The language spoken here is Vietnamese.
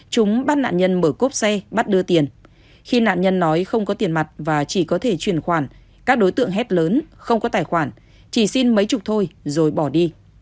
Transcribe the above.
chúng bắt nạn nhân mở cốp xe bắt đưa tiền khi nạn nhân nói không có tiền mặt và chỉ có thể truyền khoản các đối tượng hết lớn không có tài khoản chỉ xin mấy chục thôi rồi bỏ đi